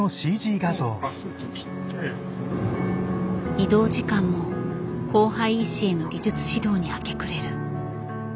移動時間も後輩医師への技術指導に明け暮れる。